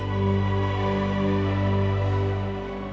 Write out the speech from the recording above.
udah aku mau mandi